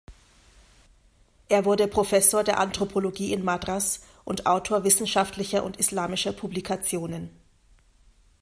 Er wurde Professor der Anthropologie in Madras und Autor wissenschaftlicher und islamischer Publikationen.